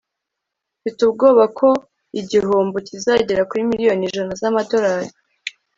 mfite ubwoba ko igihombo kizagera kuri miliyoni ijana z'amadolari